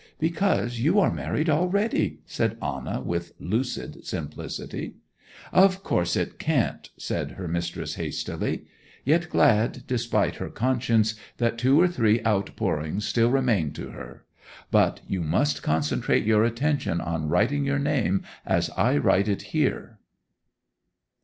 'Because you are married already!' said Anna with lucid simplicity. 'Of course it can't,' said her mistress hastily; yet glad, despite her conscience, that two or three outpourings still remained to her. 'But you must concentrate your attention on writing your name as I write it here.